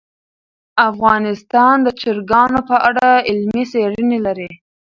افغانستان د چرګانو په اړه علمي څېړني لري.